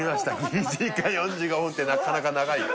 ２時間４５分ってなかなか長いよ